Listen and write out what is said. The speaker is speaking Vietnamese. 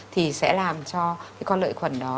thì sẽ làm cho cái con lợi khuẩn đó